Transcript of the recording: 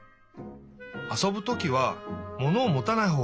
あそぶときはものをもたないほうがいいね。